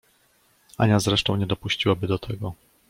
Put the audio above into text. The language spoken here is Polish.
Ania zresztą nie dopuściłaby do tego.